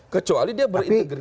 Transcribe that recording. kecuali dia berintimidasi